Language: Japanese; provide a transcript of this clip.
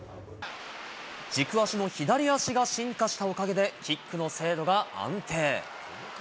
軸足の左足が進化したおかげで、キックの精度が安定。